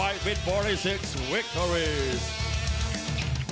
นัทธเดทฟลุ๊คบอมีเกียว